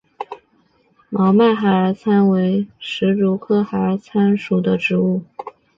毛脉孩儿参为石竹科孩儿参属的植物。